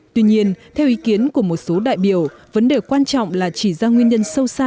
tuy nhiên theo ý kiến của một số đại biểu vấn đề quan trọng là chỉ ra nguyên nhân sâu xa